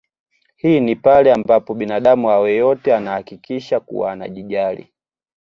Hii ni pale ambapo binadamu awae yote anahakikisha kuwa anajijali